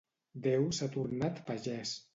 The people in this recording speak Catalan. Déu s'ha tornat pagès.